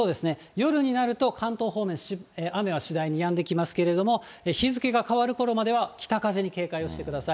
夜になると関東方面、雨は次第にやんできますけれども、日付が変わるころまでは、北風に警戒をしてください。